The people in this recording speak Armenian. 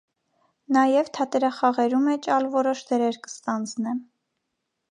Նաեւ թատերախաղերու մէջ ալ որոշ դերեր կը ստանձնէ։